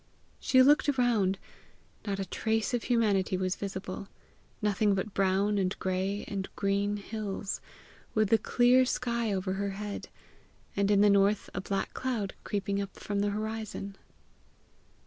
She looked around; not a trace of humanity was visible nothing but brown and gray and green hills, with the clear sky over her head, and in the north a black cloud creeping up from the horizon.